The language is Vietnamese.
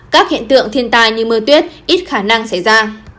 các hiện tượng thiên tai như mưa tuyết ít khả năng xảy ra